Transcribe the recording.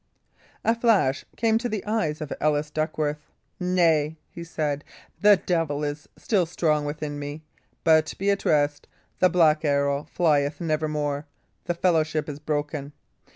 A flash came into the eyes of Ellis Duckworth. "Nay," he said, "the devil is still strong within me. But be at rest; the Black Arrow flieth nevermore the fellowship is broken.